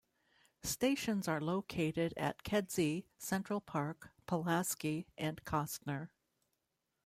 Stations are located at Kedzie, Central Park, Pulaski, and Kostner.